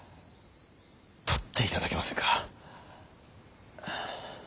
取っていただけませんか。